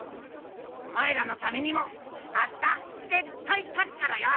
お前らのためにもあした絶対勝つからよ。